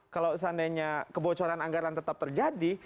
kalau seandainya kebocoran anggaran tetap terjadi